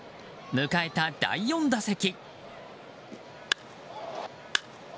迎えた第４打席。